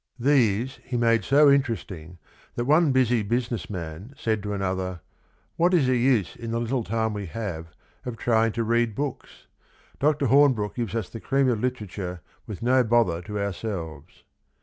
These he FOREWORD made so interesting that one busy business man said to another, "What is the use in the little time we have of trying to read books? Dr. Hornbrooke gives us the cream of literature with no bother to ourselves."